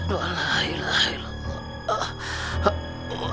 bapak sudah gak kuat